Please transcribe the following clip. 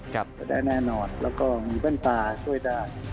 ก็ได้แน่นอนแล้วก็มีเบ้นปลาช่วยได้